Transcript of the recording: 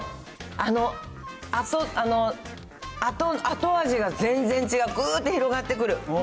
あの、後味が全然違う、ぐーって広がってくる。